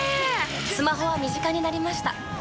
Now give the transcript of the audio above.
スマホは身近になりました。